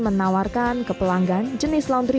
menawarkan ke pelanggan jenis laundry